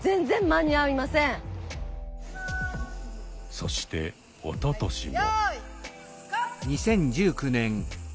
そしておととしも。